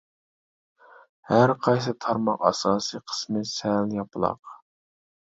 ھەر قايسى تارماق ئاساسىي قىسمى سەل ياپىلاق.